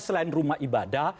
selain rumah ibadah